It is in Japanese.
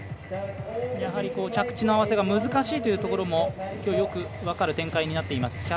やはり着地の合わせが難しいというところもきょう、よく分かる展開になっています。